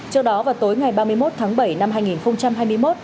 trước đó vào tối ngày ba mươi một tháng bảy năm hai nghìn hai mươi một